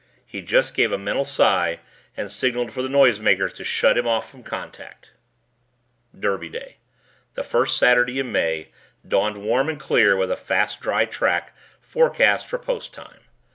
He just gave a mental sigh and signaled for the noisemakers to shut him off from contact. Derby Day, the First Saturday in May, dawned warm and clear with a fast, dry track forecast for post time.